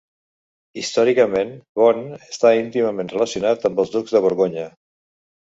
Històricament, Beaune està íntimament relacionat amb els ducs de Borgonya.